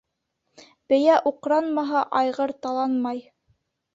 Бейә уҡранмаһа, айғыр таланмай.